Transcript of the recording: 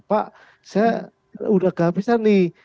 pak saya sudah kehabisan nih